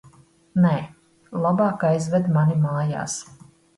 Nē, labāk aizved mani mājās.